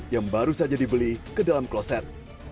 yang baru saja dibeli ke dalam kloset